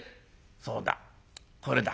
そうだこれだ。